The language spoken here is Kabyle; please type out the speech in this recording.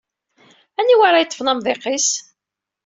Aniwa ara yeṭṭfen amḍiq-is?